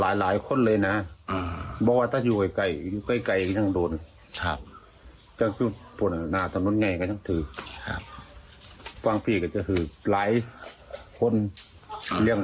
ยังไงดูแลแบบนี้